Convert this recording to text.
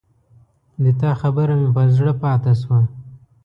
د تا خبره مې پر زړه پاته شوه